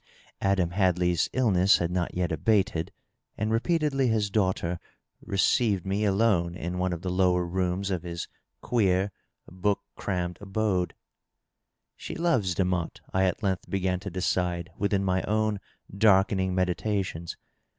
Adam Hadlejr'g illness had not yet abated, and repeatedly his daughter received me DOUGLAS DUANE, 669 alone in one of the lower rooms of his queer book crammed abode. " She loves Demotte/^ I at length began to decide within my own darkening meditations.